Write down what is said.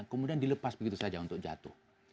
kemudian dilepas begitu saja untuk jatuh